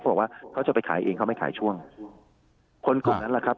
บอกว่าเขาจะไปขายเองเขาไม่ขายช่วงคนกลุ่มนั้นแหละครับ